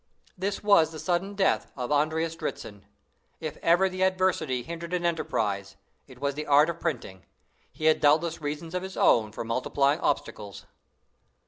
This was the sudden death of Andreas Dritzhn. If ever the adversary hindered an enterprise, it was the art of printing; he had doubtless reasons of his own for multiplying obstacles.